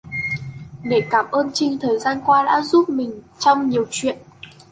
Để cảm ơn trinh thời gian qua đã giúp đỡ mình trong nhiều chuyện